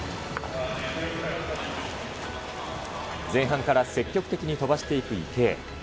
前半から積極的に飛ばしていく池江。